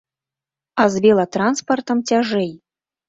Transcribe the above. А з велатранспартам цяжэй.